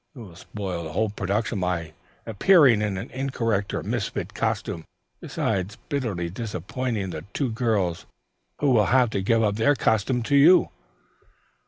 You will spoil the whole production by appearing in an incorrect or misfit costume, besides bitterly disappointing the two girls who will have to give up their costumes to you.